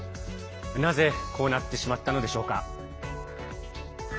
なぜこうなってしまったのでしょうか。